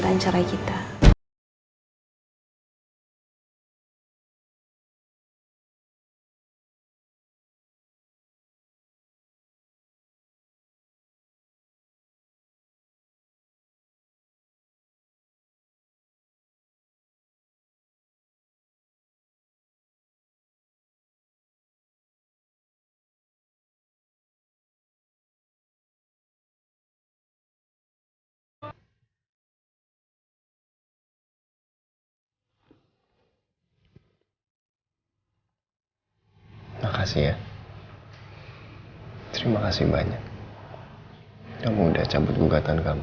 terima kasih banyak